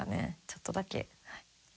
ちょっとだけ。